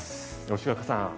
吉岡さん